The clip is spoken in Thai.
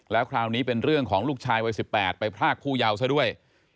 แล้วคราวนี้เป็นเรื่องของลูกชายวัย๑๘ไปพรากผู้เยาว์ซะด้วย